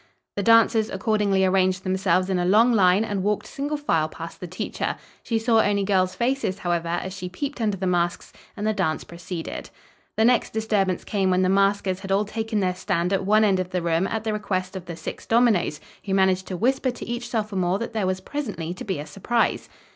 The dancers accordingly arranged themselves in a long line and walked single file past the teacher. She saw only girl's faces, however, as she peeped under the masks, and the dance proceeded. The next disturbance came when the maskers had all taken their stand at one end of the room at the request of the six dominoes, who managed to whisper to each sophomore that there was presently to be a surprise.